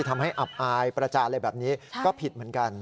ทำให้อับอายประจานอะไรแบบนี้ก็ผิดเหมือนกัน